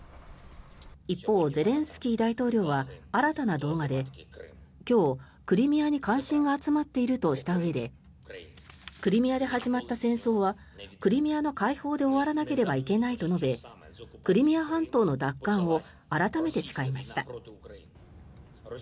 一方、ゼレンスキー大統領は新たな動画で今日、クリミアに関心が集まっているとしたうえでクリミアで始まった戦争はクリミアの解放で終わらなければいけないと述べクリミア半島の奪還を改めて誓いました。